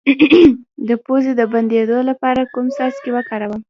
د پوزې د بندیدو لپاره کوم څاڅکي وکاروم؟